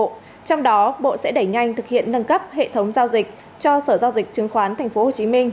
trong đó bộ sẽ đẩy nhanh thực hiện nâng cấp hệ thống giao dịch cho sở giao dịch chứng khoán tp hcm